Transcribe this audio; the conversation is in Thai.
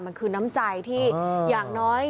มันคือน้ำใจที่อย่างน้อย